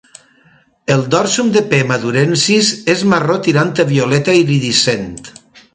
El dorsum de "P. madurensis" és marró tirant a violeta iridescent.